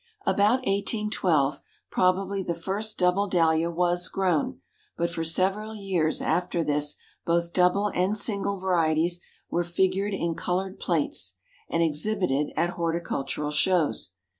About 1812 probably the first double Dahlia was grown, but for several years after this both double and single varieties were figured in colored plates, and exhibited at horticultural shows.